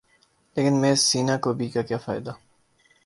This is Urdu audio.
لیکن محض سینہ کوبی کا کیا فائدہ؟